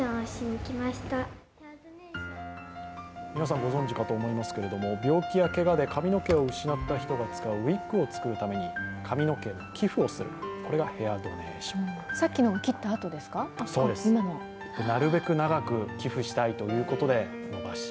皆さんご存じかと思いますが病気やけがで髪の毛を失った人が使うウイッグを作るために髪の毛を寄付をする、これがヘアドネーションなるべく長く寄付したいということで。